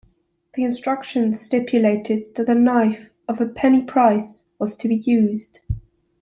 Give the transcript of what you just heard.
The instructions stipulated that a knife "of a penny price" was to be used.